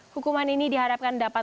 hukuman ini diharapkan dapat